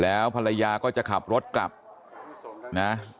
แล้วภรรยาก็จะขับรถกลับนะ